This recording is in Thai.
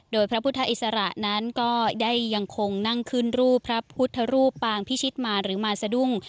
โดยพระพุทธอิสระนั้นก็ได้ยังคงนั่งขึ้นรูปพระพุทธรูปปางพิชิตมาหรือมาสะดุ้ง